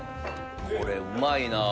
これうまいな。